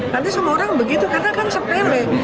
nanti semua orang begitu katakan sepele